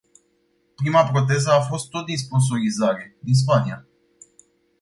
Prima proteză a fost tot din sponsorizare, din Spania.